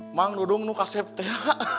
emang dudung nu kaset ya